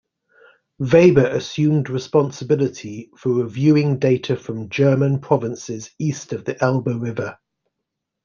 Weber assumed responsibility for reviewing data from German provinces east of the Elbe River.